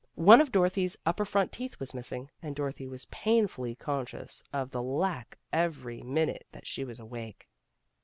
One of Dorothy's upper front teeth was missing and Dorothy was pain A MISSING BRIDE 303 fully conscious of the lack every minute that she was awake.